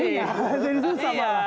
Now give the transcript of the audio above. iya jadi susah malah